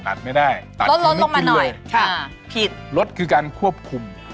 ตัดไม่ได้ตัดคือไม่กินเลยใช่ผิดลดคือการควบคุม